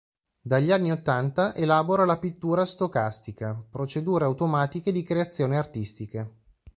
Dagli anni ottanta elabora la "pittura Stocastica", procedure automatiche di creazione artistica.